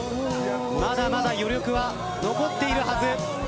まだまだ余力は残っているはず。